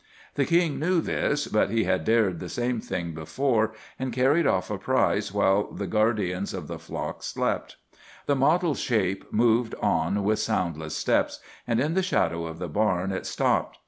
The King knew this, but he had dared the same thing before, and carried off a prize while the guardians of the flock slept. The mottled shape moved on with soundless steps, and in the shadow of the barn it stopped.